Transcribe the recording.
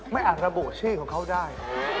ไม่อ่านระบบชื่อของเขาได้